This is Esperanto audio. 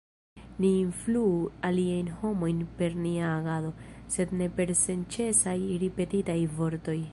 Ni influu aliajn homojn per nia agado, sed ne per senĉesaj ripetitaj vortoj.